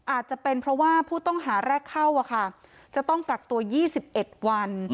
อาจจะเป็นเพราะว่าผู้ต้องหาแรกเข้าจะต้องกักตัว๒๑วัน